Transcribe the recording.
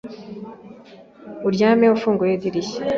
aryamye afunguye idirishya.